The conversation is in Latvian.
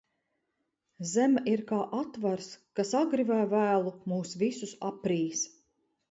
Zeme ir kā atvars, kas agri vai vēlu mūs visus aprīs.